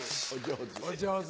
お上手。